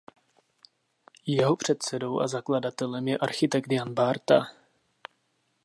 Jeho předsedou a zakladatelem je architekt Jan Bárta.